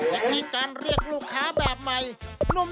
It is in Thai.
อย่างนี้การเรียกลูกค้าแบบใหม่